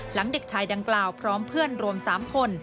เด็กชายดังกล่าวพร้อมเพื่อนรวม๓คน